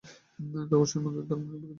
কাগজটির একটি ধর্মনিরপেক্ষ অবস্থান রয়েছে।